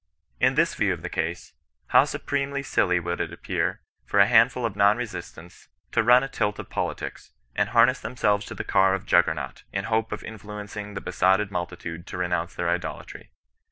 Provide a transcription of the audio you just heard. In this view of the case, how supremely silly would it appear for a handful of non resistants to run a tilt of politics, and harness themselves to the car of Juggernaut, in the hope of influencing the besotted multitude to renounce their idolatry